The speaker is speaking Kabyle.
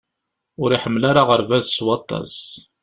Ur iḥemmel ara aɣerbaz s waṭas.